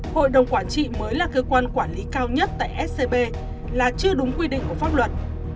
hội đồng quản trị mới là cơ quan quản lý cao nhất tại scb là chưa đúng quy định của pháp luật